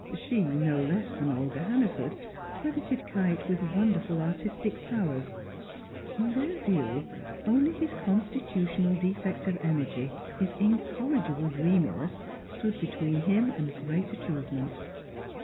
She, no less than Olga Hannaford, credited Kite with wonderful artistic powers; in their view, only his constitutional defect of energy, his incorrigible dreaminess, stood between him and great achievement.